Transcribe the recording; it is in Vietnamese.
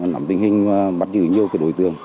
làm tinh hình bắt giữ nhiều cái đối tượng